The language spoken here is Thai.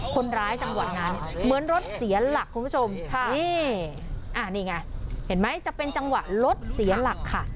จังหวะนั้นเหมือนรถเสียหลักคุณผู้ชมค่ะนี่นี่ไงเห็นไหมจะเป็นจังหวะรถเสียหลักค่ะ